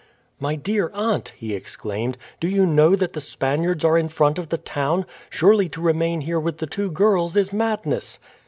"My dear aunt!" he exclaimed, "do you know that the Spaniards are in front of the town? Surely to remain here with the two girls is madness!"